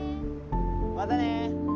またね！